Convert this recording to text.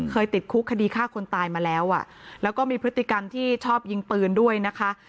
ติดคุกคดีฆ่าคนตายมาแล้วอ่ะแล้วก็มีพฤติกรรมที่ชอบยิงปืนด้วยนะคะ